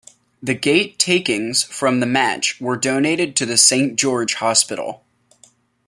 The gate-takings from the match were donated to the Saint George Hospital.